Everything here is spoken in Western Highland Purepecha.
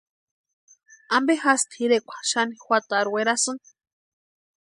¿Ampe jásï tʼirekwa xani juatarhu werasïnki?